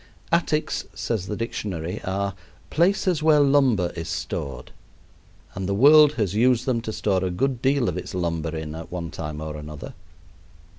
Attics, says the dictionary, are "places where lumber is stored," and the world has used them to store a good deal of its lumber in at one time or another.